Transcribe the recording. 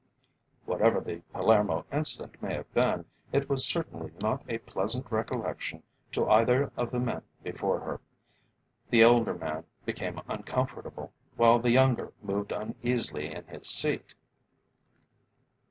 Whatever the Palermo Incident may have been, it was certainly not a pleasant recollection to either of the men before her; the elder man became uncomfortable, while the younger moved uneasily in his seat.